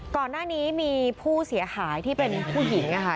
ก่อนหน้านี้มีผู้เสียหายที่เป็นผู้หญิงค่ะ